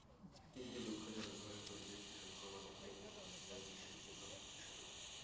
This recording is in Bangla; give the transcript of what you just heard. কিন্তু দুঃখজনকভাবে পরিবেশদূষণ ক্রমাগত বেড়েই চলেছে, যা বিশ্বের জন্য হুমকিস্বরূপ।